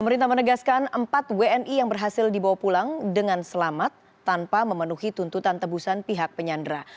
pemerintah menegaskan empat wni yang berhasil dibawa pulang dengan selamat tanpa memenuhi tuntutan tebusan pihak penyandra